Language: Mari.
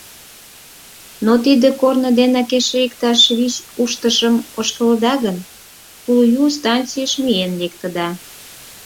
Но тиде корно денак эше иктаж вич уштышым ошкылыда гын, Кулйу станцийыш миен лектыда.